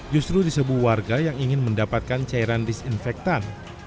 justru disebut warga yang ingin mendapatkan cairan disinfektan